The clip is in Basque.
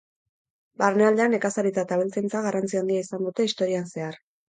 Barnealdean, nekazaritza eta abeltzaintza garrantzi handia izan dute historian zehar.